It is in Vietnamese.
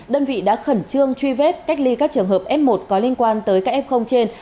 đơn vị đã khẩn trương truy vết cách ly các trường hợp f một có liên quan tới các f trên